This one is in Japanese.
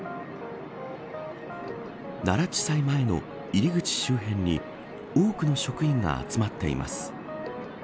奈良地裁前の入り口周辺に多くの職員が集まっています。